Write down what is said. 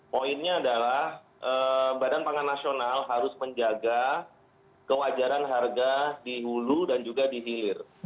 poinnya adalah bpn harus menjaga kewajaran harga di hulu dan juga di hilir